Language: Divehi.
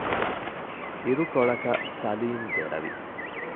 އިރުކޮޅަކަށް ސަލީމް ދެރަވި